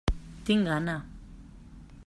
Tinc gana.